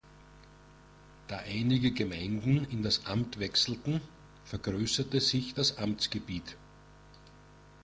Da einige Gemeinden in das Amt wechselten, vergrößerte sich das Amtsgebiet.